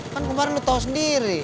kan kemarin lo tau sendiri